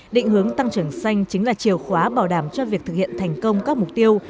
định hướng tăng trưởng xanh chính là chiều khóa bảo đảm cho việc thực hiện thành công các mục tiêu